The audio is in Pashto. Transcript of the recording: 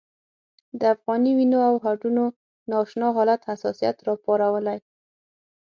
د افغاني وینو او هډونو نا اشنا حالت حساسیت راپارولی.